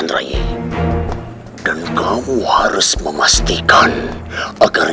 ini adalah pejabat advanced